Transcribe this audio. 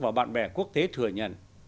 và bạn bè quốc tế thừa nhận